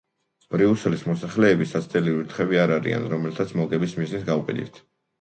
ბრიუსელის მოსახლეები საცდელი ვირთხები არ არიან, რომელთაც მოგების მიზნით გავყიდით.